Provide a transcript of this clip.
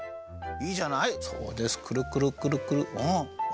いいじゃない。